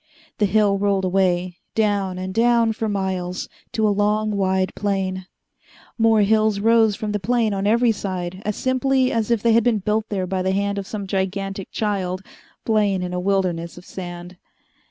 The hill rolled away, down and down for miles, to a long, wide plain. More hills rose from the plain on every side, as simply as if they had been built there by the hand of some gigantic child playing in a wilderness of sand.